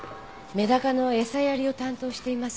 メダカの餌やりを担当しています